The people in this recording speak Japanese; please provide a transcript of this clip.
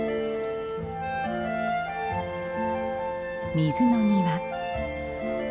水の庭。